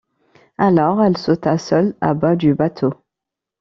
Alors elle sauta seule à bas du bateau.